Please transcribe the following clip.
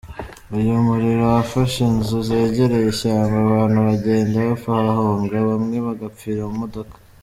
Uyu muriro wafashe inzu zegereye ishyamba, abantu bagenda bapfa bahunga, bamwe bagapfira mu modoka.